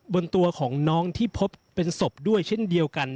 บนตัวของน้องที่พบเป็นศพด้วยเช่นเดียวกัน